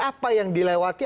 apa yang dilewati